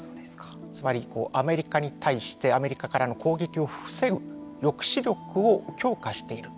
つまり、アメリカに対してアメリカからの攻撃を防ぐ抑止力を強化している。